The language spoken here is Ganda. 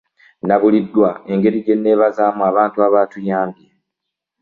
Nabuliddwa engeri gye nneebazaamu abantu abaatuyambye.